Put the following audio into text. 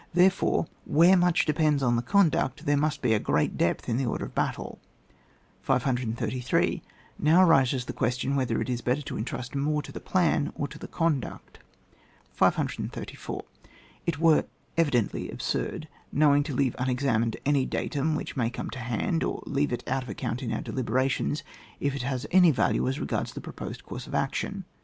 Therefore, where much depends on the conduct, there must be a great depth in the order of battle. 533. Now arises the question, whether it is better to entrust more to the plan or to the conduct. 634. It were evidently absurd know* ingly to leave unexamined any datum which may come to hand, or to leave it out of account in our deliberations, if it has any value as regards the proposed course of action.